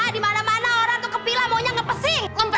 tidak ada yang nyelip